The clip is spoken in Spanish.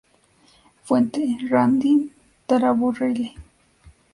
Fuente: J. Randy Taraborrelli